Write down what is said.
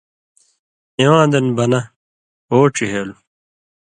(اِواں دن) بنہ (او ڇِہېلوۡ):